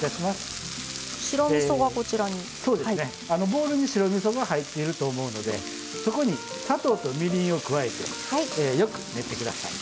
ボウルに白みそが入っていると思うのでそこに砂糖とみりんを加えてよく練って下さい。